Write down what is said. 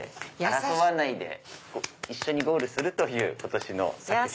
争わないで一緒にゴールするという今年の作品。